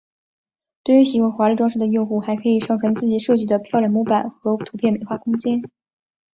对于喜欢华丽装饰的用户还可以上传自己设计的漂亮模板和图片美化空间。